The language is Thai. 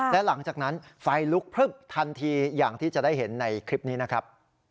และหลังจากนั้นไฟลุกพลึบทันทีอย่างที่จะได้เห็นในคลิปนี้นะครับ